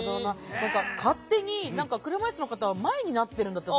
勝手に車いすの方は前になってるんだと私。